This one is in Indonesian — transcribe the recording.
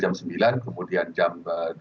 jam sembilan kemudian jam dua belas